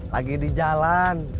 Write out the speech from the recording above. lagi di jalan